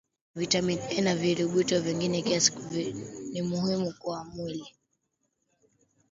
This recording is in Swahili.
viatamin A na virutubisho v ingine vya kiazi lishe ni muhimu kwa mwili